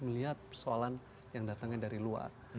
melihat persoalan yang datangnya dari luar